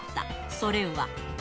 それは。